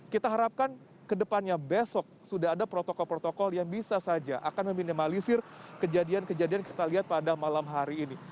kita harapkan kedepannya besok sudah ada protokol protokol yang bisa saja akan meminimalisir kejadian kejadian kita lihat pada malam hari ini